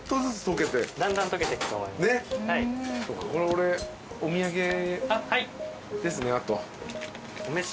俺お土産ですねあと。